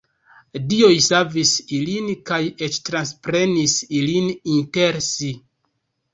Dioj savis ilin kaj eĉ transprenis ilin inter si.